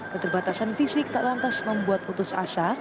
keterbatasan fisik tak lantas membuat putus asa